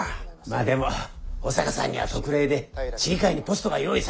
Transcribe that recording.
まあでも保坂さんには特例で市議会にポストが用意されましたから。